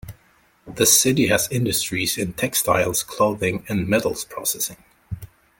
The city has industries in textiles, clothing and metals processing.